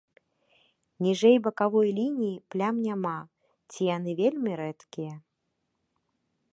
Ніжэй бакавой лініі плям няма ці яны вельмі рэдкія.